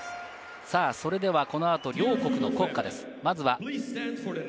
それではこの後、両国の国歌です。